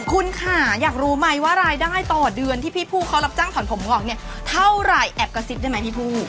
คุณค่ะอยากรู้ไหมว่ารายได้ต่อเดือนที่พี่ผู้เขารับจ้างถอนผมออกเนี่ยเท่าไหร่แอบกระซิบได้ไหมพี่ผู้